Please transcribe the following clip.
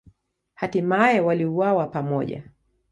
Hatimaye waliuawa pamoja.